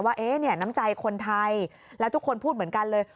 ว่าน้ำใจคนไทยแล้วทุกคนพูดเหมือนกันเลย